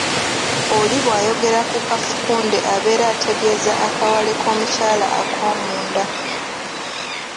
Oli bw’ayogera ku kafukunde abeera ategeeza akawale k’omukyala akoomunda.